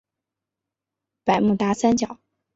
百慕达三角。